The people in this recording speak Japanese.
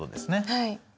はい。